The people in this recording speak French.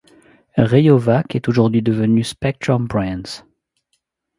Rayovac est aujourd'hui devenu Spectrum Brands.